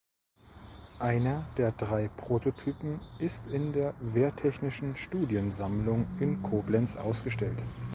Einer der drei Prototypen ist in der Wehrtechnischen Studiensammlung in Koblenz ausgestellt.